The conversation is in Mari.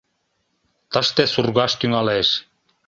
Тыште сургаш тӱҥалеш